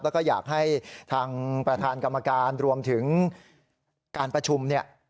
แล้วก็อยากให้ทางประธานกรรมการรวมถึงการประชุมเนี่ย